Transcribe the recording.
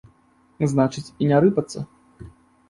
Значыць, і не рыпацца?